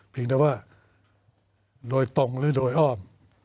เพียงแต่ว่าโดยตรงหรือโดยอ้อม